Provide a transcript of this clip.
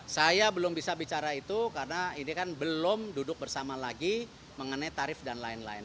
saya belum bisa bicara itu karena ini kan belum duduk bersama lagi mengenai tarif dan lain lain